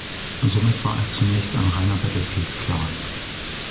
Somit war er zunächst ein reiner Battlefield-Clan.